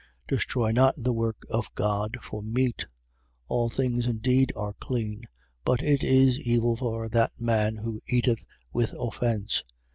14:20. Destroy not the work of God for meat. All things indeed are clean: but it is evil for that man who eateth with offence.